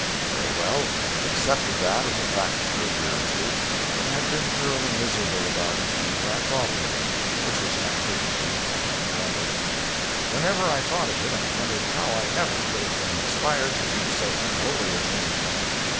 Very well, I had accepted that as a fact for a year or two, and had been thoroughly miserable about it whenever I thought of it which was not frequently, if I could help it. Whenever I thought of it I wondered how I ever could have been inspired to do so unholy a thing.